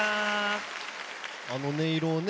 あの音色をね